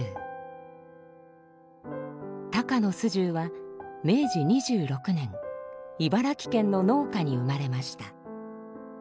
高野素十は明治２６年茨城県の農家に生まれました。